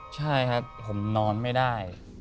ใช่ครับผมนอนไม่ได้